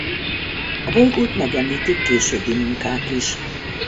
A bolygót megemlítik későbbi munkák is.